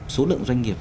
số lượng doanh nghiệp